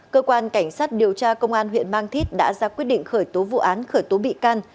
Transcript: cơ quan cảnh sát điều tra công an huyện mang thít đã ra quyết định khởi tố vụ án khởi tố bị can